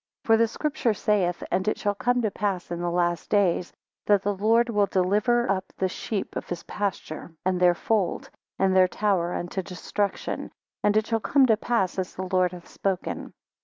For the scripture saith; And it shall come to pass in the last days, that the Lord will deliver up the sheep of his pasture, and their fold, and their tower unto destruction. And it is come to pass, as the Lord hath spoken.